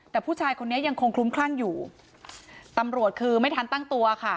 แต่ผู้ชายคนนี้ยังคงคลุ้มคลั่งอยู่ตำรวจคือไม่ทันตั้งตัวค่ะ